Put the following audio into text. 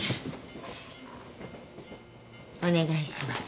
お願いします。